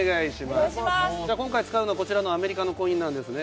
今回使うのはこちらのアメリカのコインなんですね。